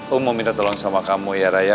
aku mau minta tolong sama kamu ya raya